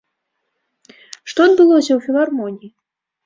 Што адбылося ў філармоніі?